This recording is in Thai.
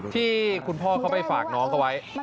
ที่คุณพ่อเขาไปฝากน้องเขาไว้